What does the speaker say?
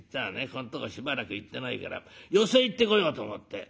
ここんとこしばらく行ってないから寄席行ってこようと思って」。